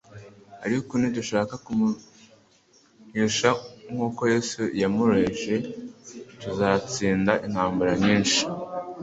Ariko nidushaka kumuruesha nk'uko Yesu yamuruesheje tuzatsinda intambara nyinshi.